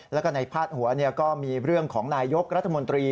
แล้วก็ในพาดหัวก็มีเรื่องของนายกรัฐมนตรี